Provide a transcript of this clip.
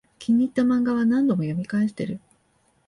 気に入ったマンガは何度も読み返してる